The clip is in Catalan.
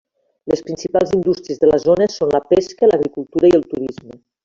Les principals indústries de la zona són la pesca, l'agricultura i el turisme.